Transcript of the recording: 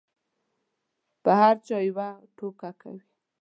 په هر چا یوه ټوکه کوي.